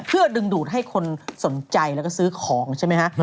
เพื่อดึงดูดให้คนสนใจแล้วก็ซื้อของใช่ไหมฮะ